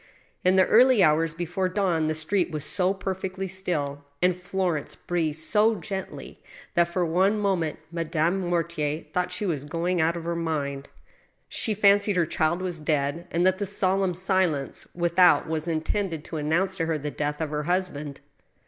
• In the early hours before dawn the street was so perfectly still, and Florence breathed so gently, that for one moment Madame THE BUTCHER'S SHOP. 73 Mortier thought she was going out of her mind. She fancied her child was dead, and that the solemn silence without was intended, to announce to her the death of her husband.